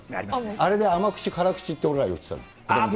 あれで辛口って、俺ら言ってたの。